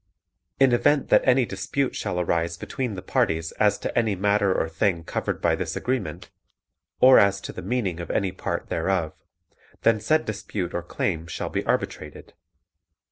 In event that any dispute shall arise between the parties as to any matter or thing covered by this agreement, or as to the meaning of any part thereof, then said dispute or claim shall be arbitrated.